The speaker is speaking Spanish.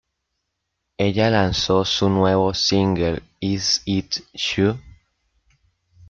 Ella lanzó su nuevo single "Is It Chu?